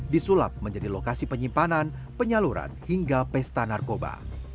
disulap menjadi lokasi penyimpanan penyaluran hingga pesta narkoba